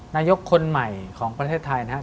นายกคนใหม่ของประเทศไทยนะครับ